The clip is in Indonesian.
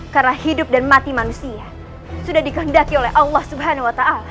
karena hidup dan mati manusia sudah dikendaki oleh allah subhanahu wa ta'ala